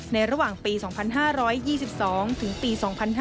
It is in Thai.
ระหว่างปี๒๕๒๒ถึงปี๒๕๕๙